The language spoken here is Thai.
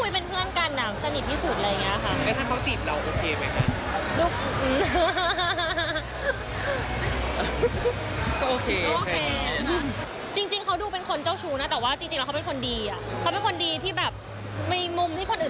เป็นเพื่อนกันค่ะเป็นเพื่อนตอนนี้สนิทอ่ะโอเค